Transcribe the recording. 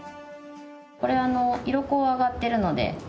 これ色校上がってるので。